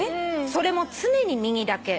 それも常に右だけ」